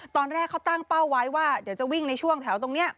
ตอนแรกเขาตั้งเป้าไว้ว่าเดี๋ยวจะวิ่งในช่วงแถวตรงนี้